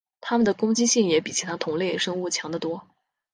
它们的攻击性也比其他同类生物强得多。